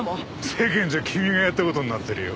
世間じゃ君がやった事になってるよ。